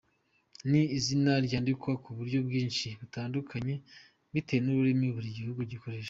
Ni izina ryandikwa mu buryo bwinshi butandukanye bitewe n’ururimi buri gihugu gikoresha.